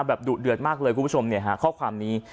ดุเดือดมากเลยคุณผู้ชมเนี่ยฮะข้อความนี้